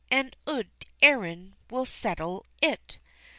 and ould Erin will settle it."